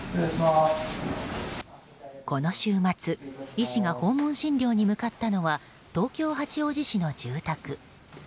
この週末医師が訪問診療に向かったのは東京・八王子市の住宅。